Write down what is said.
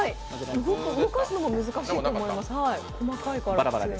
動かすのも難しいと思います、細かいから。